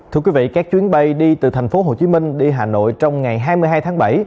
thưa quý vị các chuyến bay đi từ tp hcm đi hà nội trong ngày hai mươi hai tháng bảy